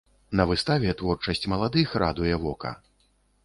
На выставе творчасць маладых радуе вока.